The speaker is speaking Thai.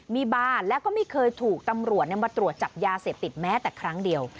มีบ้านแล้วก็ไม่เคยถูกตำรวจมาตรวจจับยาเสพติดแม้แต่ครั้งเดียว